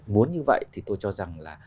muốn như vậy thì tôi cho rằng là